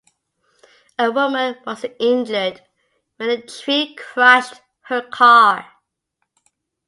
A woman was injured when a tree crushed her car.